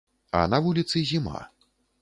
А на вуліцы зіма.